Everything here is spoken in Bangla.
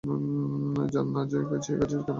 জান না যে-কাজ সে-কাজে কেন হাত দেওয়া।